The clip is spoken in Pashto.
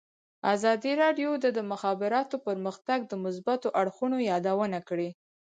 ازادي راډیو د د مخابراتو پرمختګ د مثبتو اړخونو یادونه کړې.